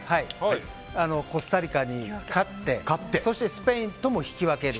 コスタリカに勝ってそしてスペインとも引き分け。